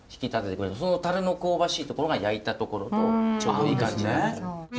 樽の香ばしいところが焼いたところとちょうどいい感じに。